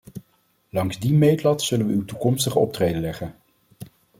Langs die meetlat zullen we uw toekomstig optreden leggen.